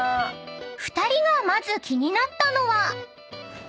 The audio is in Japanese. ［２人がまず気になったのは］